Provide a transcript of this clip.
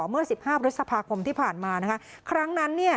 เมื่อสิบห้าพฤษภาคมที่ผ่านมานะคะครั้งนั้นเนี่ย